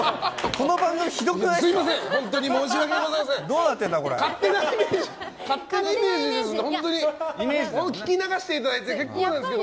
この番組ひどくないですか？